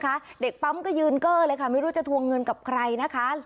สำหรับเด็กปั๊มก็ยืนก้ไม่รู้จะทวงเงินกับใครนะคะ